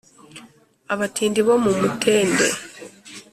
Abatindi bo mu Mutende